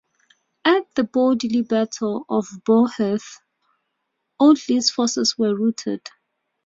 At the bloody Battle of Blore Heath, Audley's forces were routed.